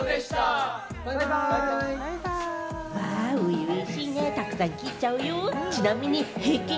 初々しいね、たくさん聴いちゃうよ！